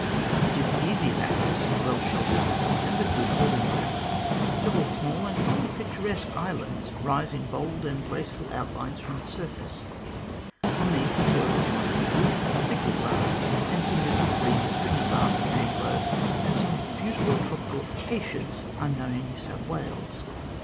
It is easy of access, well sheltered, and with good holding ground. Several small and highly picturesque islands rise in bold and graceful outlines from the surface. On these the soil is moderately good, thickly grassed, and timbered with green, stringy bark, mangrove, and some beautiful tropical acacias unknown in New South Wales.